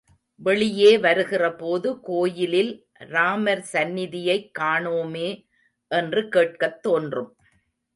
வெளியே வருகிறபோது கோயிலில் ராமர் சந்நிதியைக் காணோமே என்று கேட்கத் தோன்றும்.